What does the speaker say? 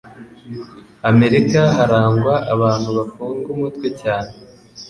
America harangwa abantu bafunga umutwe cyane